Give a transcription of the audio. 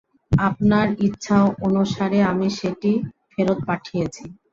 আপনার ইচ্ছা অনুসারে আমি সেটি ফেরত পাঠিয়েছি।